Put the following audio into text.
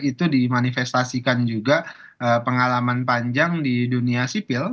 itu dimanifestasikan juga pengalaman panjang di dunia sipil